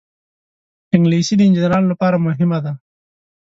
انګلیسي د انجینرانو لپاره مهمه ده